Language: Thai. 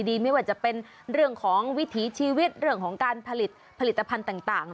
ไม่ว่าจะเป็นเรื่องของวิถีชีวิตเรื่องของการผลิตผลิตภัณฑ์ต่าง